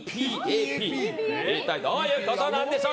一体どういうことなんでしょう。